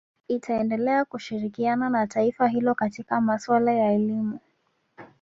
Itaendelea kushirikiana na taifa hilo katika maswala ya elimu